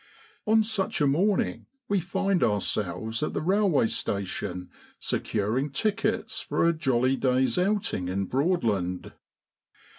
On such a morning we find ourselves at the railway station securing tickets for a jolly day's outing in Broadland.